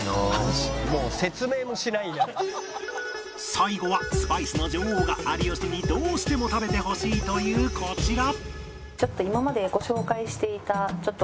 最後はスパイスの女王が有吉にどうしても食べてほしいというこちら